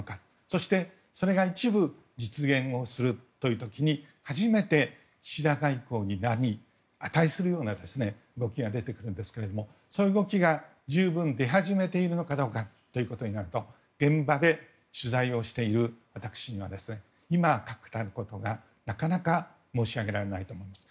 そして、それが一部実現をするという時に初めて岸田外交になり値するような動きが出てくると思いますがそういう動きが十分出始めているかとなると現場で取材をしている私には今は確たることがなかなか申し上げられないと思います。